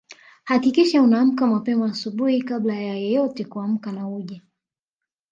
Hakikisha unaamka mapema asubuhi kabla ya yeyote kuamka na uje